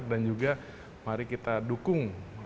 dan juga mari kita dukung